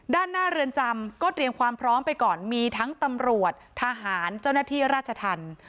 ด้านหน้าเรือนจำก็เตรียมความพร้อมไปก่อนมีทั้งตำรวจทหารเจ้าหน้าที่ราชธรรม